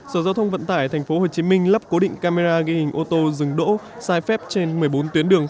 sở giao thông vận tải tp hcm lắp cố định camera ghi hình ô tô dừng đỗ sai phép trên một mươi bốn tuyến đường